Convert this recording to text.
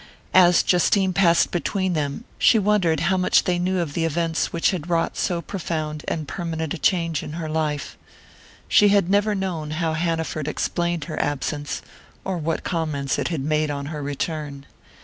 As Justine passed between them, she wondered how much they knew of the events which had wrought so profound and permanent change in her life. She had never known how Hanaford explained her absence or what comments it had made on her return.